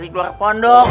lari keluar pondok